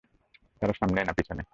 তারা সামনে না পিছনে?